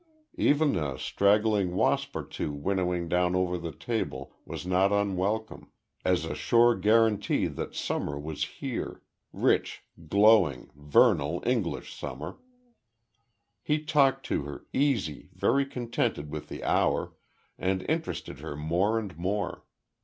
Even a straggling wasp or two winnowing down over the table, was not unwelcome, as a sure guarantee that summer was here: rich, glowing, vernal, English summer. He talked to her easy, very contented with the hour and interested her more and more.